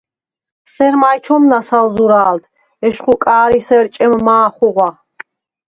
სერ მაჲ ჩომნას ალ ზურა̄ლდ: ეშხუ კა̄რისერ ჭემ მა̄ ხუღვა.